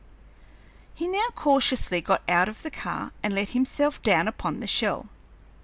He now cautiously got out of the car and let himself down upon the shell.